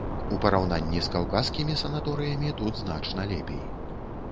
У параўнанні з каўказскімі санаторыямі тут значна лепей.